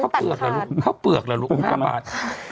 ข้าวเปลือกเหรอลูกข้าวเปลือกละลูก๕บาท